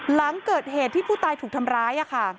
หลังเกิดเหตุที่ผู้ตายถูกทำร้าย